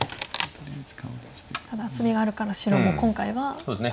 ただ厚みがあるから白も今回は戦いますか。